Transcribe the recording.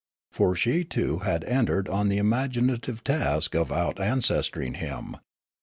For she too had entered on the imaginative task of out ancestoring him.